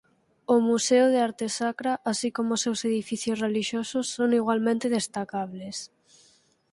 O "Museo de Arte Sacra" así como os seus edificios relixiosos son igualmente destacables.